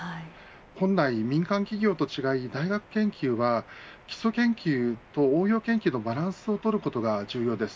本来、民間企業と違い大学研究は基礎研究と応用研究のバランスを取ることが重要です。